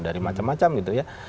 dari macam macam gitu ya